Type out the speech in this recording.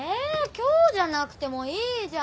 今日じゃなくてもいいじゃん！